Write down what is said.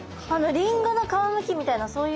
リンゴの皮むきみたいなそういう。